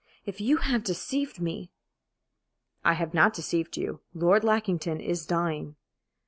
If you have deceived me " "I have not deceived you. Lord Lackington is dying."